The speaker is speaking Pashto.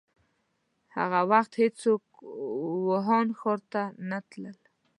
هغه وخت هيڅوک ووهان ښار ته نه تلل.